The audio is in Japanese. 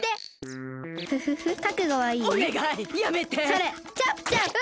それチャップチャップ！